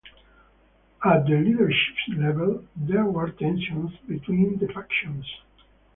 At the leadership level, there were tensions between the factions.